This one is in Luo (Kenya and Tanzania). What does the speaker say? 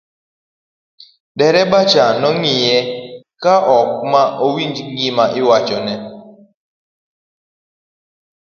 dereba cha nong'iye ka ma ok owinj gima iwachone